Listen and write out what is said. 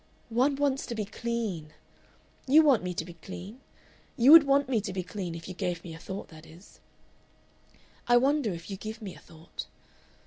One wants to be CLEAN. You want me to be clean. You would want me to be clean, if you gave me a thought, that is.... "I wonder if you give me a thought....